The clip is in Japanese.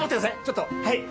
ちょっとはい。